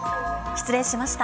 失礼しました。